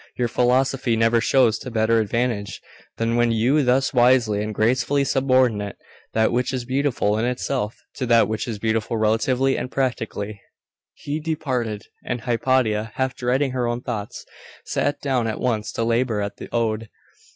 Your philosophy never shows to better advantage than when you thus wisely and gracefully subordinate that which is beautiful in itself to that which is beautiful relatively and practically.' He departed; and Hypatia, half dreading her own thoughts, sat down at once to labour at the ode.